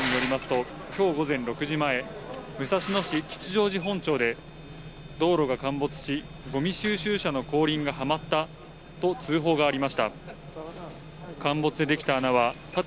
東京午前６時前、武蔵野市吉祥寺本町で道路が陥没し、ゴミ収集車の後輪がはまったと通報がありました。